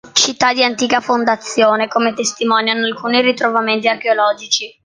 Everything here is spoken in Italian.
Città di antica fondazione, come testimoniano alcuni ritrovamenti archeologici.